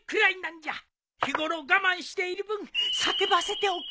日頃我慢している分叫ばせておくれ。